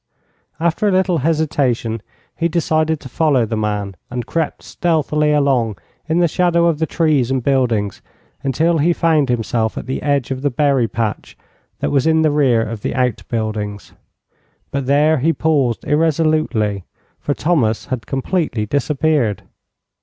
After a little hesitation he decided to follow the man, and crept stealthily along in the shadow of the trees and buildings until he found himself at the edge of the berry patch that was in the rear of the outbuildings. But there he paused irresolutely, for Thomas had completely disappeared.